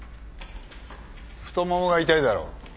太ももが痛いだろ？